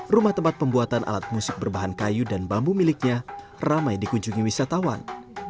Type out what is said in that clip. rumah tempat pembuatan alat musik berbahan kayu dan bambu miliknya ramai dikunjungi wisatawan